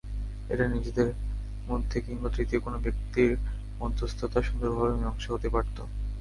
এটি নিজেদের মধ্যে কিংবা তৃতীয় কোনো ব্যক্তির মধ্যস্থতায় সুন্দরভাবে মীমাংসা হতে পারত।